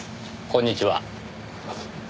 こんにちは。